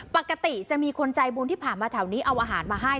ปกติจะมีคนใจบุญที่ผ่านมาแถวนี้เอาอาหารมาให้